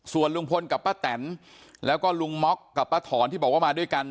ส่วนลุงพลกับป้าแตนแล้วก็ลุงม็อกกับป้าถอนที่บอกว่ามาด้วยกัน